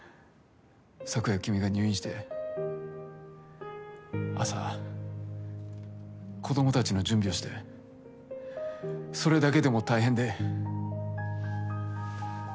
昨夜君が入院して朝子供たちの準備をしてそれだけでも大変で。